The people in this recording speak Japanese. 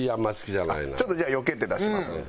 ちょっとじゃあよけて出しますんで。